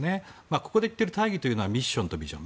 ここで言っている大義というのはミッションとビジョン。